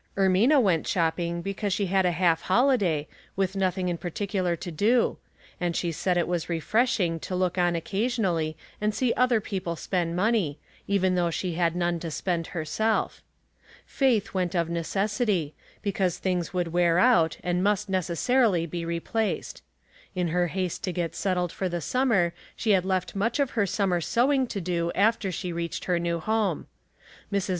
Ermina went shopping because she had a half holiday, with nothing in particular to do ; and she said it was refreshing to look on occasionally and see other people spend money, even though she had none to spend herself. Faith went of necessity, be cause things would wear out and must necessarily be replaced. In her haste to get settled for the summer she had left much of her summer sewing to do after she reached her new home. Mrs.